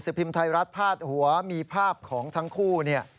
พิมพ์ไทยรัฐพาดหัวมีภาพของทั้งคู่เนี่ย